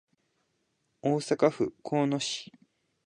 大阪府交野市